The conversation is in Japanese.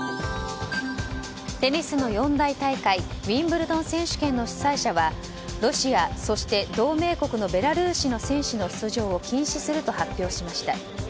テニスの四大大会ウィンブルドン選手権の主催者はロシア、そして同盟国のベラルーシの選手の出場を禁止すると発表しました。